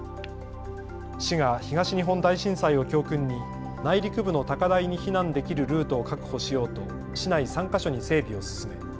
市が東日本大震災を教訓に内陸部の高台に避難できるルートを確保しようと市内３か所に整備を進め